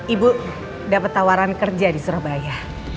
ibu dapat tawaran kerja di surabaya